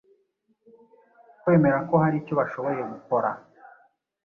kwemera ko hari icyo bashoboye gukora